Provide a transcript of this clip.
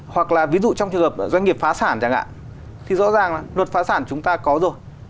hoặc là ví dụ trong trường hợp doanh nghiệp phá sản chẳng hạn thì rõ ràng là luật phá sản chúng ta có rồi